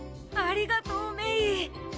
ありがとう芽衣！